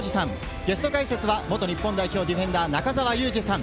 ゲスト解説は元日本代表ディフェンダー・中澤佑二さん。